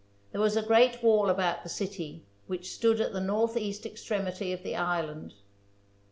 There was a great wall about the city, which stood at the northeast extremity of the island.